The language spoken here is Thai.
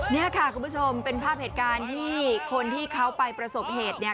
นี่ค่ะคุณผู้ชมเป็นภาพเหตุการณ์ที่คนที่เขาไปประสบเหตุเนี่ย